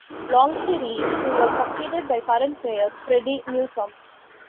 Longserre who was succeeded by current mayor Freddie Newsome.